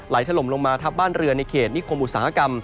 ถล่มลงมาทับบ้านเรือในเขตนิคมอุตสาหกรรม